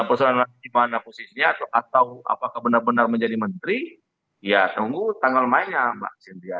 persoalan di mana posisinya atau apakah benar benar menjadi menteri ya tunggu tanggal mainnya mbak cynthia